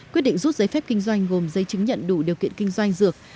quyết định rút giấy phép kinh doanh gồm giấy chứng nhận đủ điều kiện kinh doanh dược